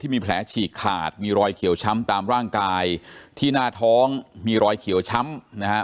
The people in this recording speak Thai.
มีแผลฉีกขาดมีรอยเขียวช้ำตามร่างกายที่หน้าท้องมีรอยเขียวช้ำนะฮะ